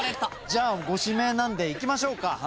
じゃあご指名なんでいきましょうか。